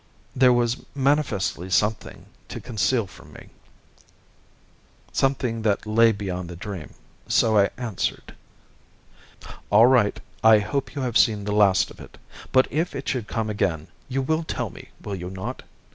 There was manifestly something to conceal from me—something that lay behind the dream, so I answered: "All right. I hope you have seen the last of it. But if it should come again, you will tell me, will you not?